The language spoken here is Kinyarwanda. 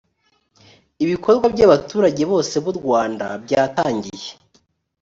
ibikorwa byabaturage bose b u rwanda byatangiye